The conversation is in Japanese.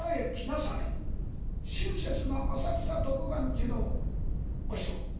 親切な浅草徳願寺の和尚。